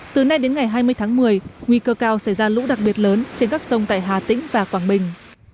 từ nay đến ngày hai mươi tháng một mươi nguy cơ cao sẽ ra lũ đặc biệt lớn trên các sông tại hà tĩnh và quảng bình